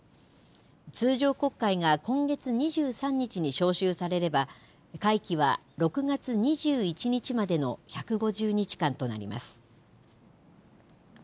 通常国会が今月２３日に召集されれば、会期は６月２１日までの１５０日間となります。